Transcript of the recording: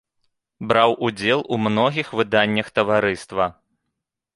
Браў удзел у многіх выданнях таварыства.